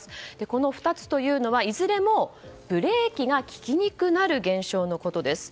この２つはいずれもブレーキが利きにくくなる現象のことです。